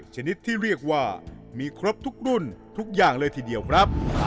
ชนิดที่เรียกว่ามีครบทุกรุ่นทุกอย่างเลยทีเดียวครับ